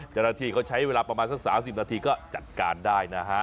เจ้าหน้าที่เขาใช้เวลาประมาณสัก๓๐นาทีก็จัดการได้นะฮะ